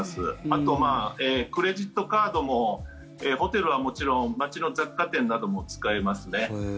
あと、クレジットカードもホテルはもちろん街の雑貨店なども使えますね。